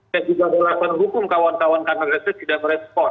dan juga lakon hukum kawan kawan karena reses tidak merespon